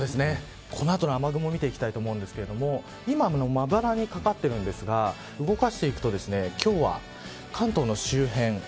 この後の雨雲見ていきたいと思うんですけど今もまばらにかかってるんですが動かしていくと今日は関東の周辺